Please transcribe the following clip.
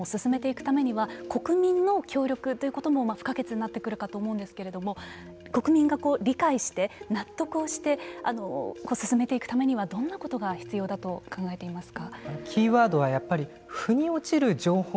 このシステムを進めていくためには国民の協力ということも不可欠になってくるかと思うんですけれども国民が理解して納得をして進めていくためにはどんなことが必要だと考えていますか。